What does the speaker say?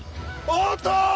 おっと！